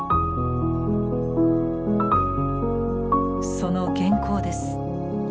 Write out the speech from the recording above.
その原稿です。